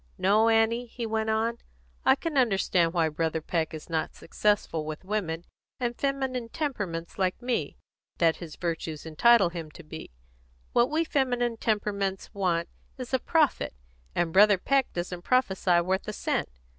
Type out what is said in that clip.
No, Annie," he went on, "I can understand why Brother Peck is not the success with women, and feminine temperaments like me, that his virtues entitle him to be. What we feminine temperaments want is a prophet, and Brother Peck doesn't prophesy worth a cent.